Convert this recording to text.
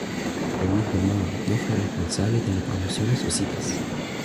Del mismo modo, no fue responsable de las promociones o citas.